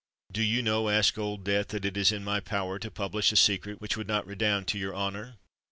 "Do you know," asked Old Death, "that it is in my power to publish a secret which would not redound to your honour?"